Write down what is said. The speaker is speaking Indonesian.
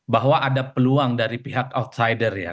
bahwa ada peluang dari pihak outsider ya